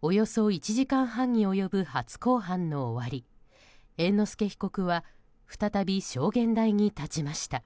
およそ１時間半に及ぶ初公判の終わり猿之助被告は再び証言台に立ちました。